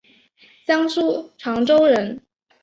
江苏长洲人。